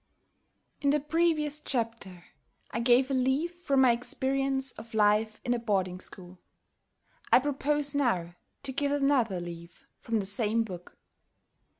In the previous chapter I gave a leaf from my experience of life in a boarding school. I propose now to give another leaf from the same book.